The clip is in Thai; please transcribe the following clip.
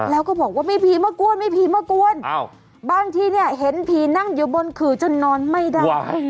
แล้วก็บอกว่ามีผีมากล้วนบ้านที่เนี่ยเห็นผีนั่งอยู่บนคือจนนอนไม่ได้